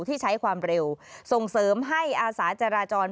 ที่ใช้ความเร็วส่งเสริมให้อาสาจราจร